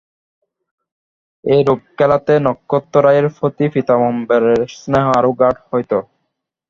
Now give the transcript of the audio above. এইরূপ খেলাতে নক্ষত্ররায়ের প্রতি পীতাম্বরের স্নেহ আরো গাঢ় হইত।